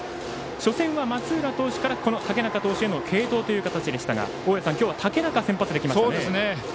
初戦は松浦投手から竹中投手への継投という形でしたが今日は竹中が先発です。